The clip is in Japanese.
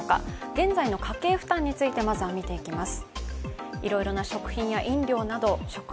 現在の家計負担について、まずは見てみます。